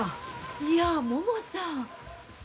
いやももさん。